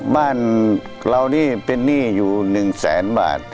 บ้านเรานี่เป็นหนี้อยู่๑แสนบาท